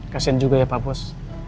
kasian juga ya pak pos